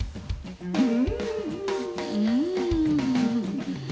うんうんん